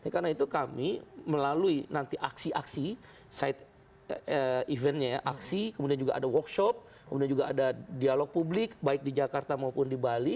karena itu kami melalui nanti aksi aksi side event nya ya aksi kemudian juga ada workshop kemudian juga ada dialog publik baik di jakarta maupun di bali